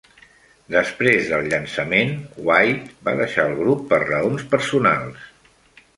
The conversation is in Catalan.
Després del llançament, White va deixar el grup per raons personals.